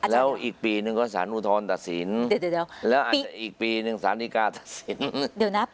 แล้วอีกปีหนึ่งก็ศาลอุทธรรมตัดสินแล้วอาจจะอีกปีหนึ่งศาลดิการ์ตัดสิน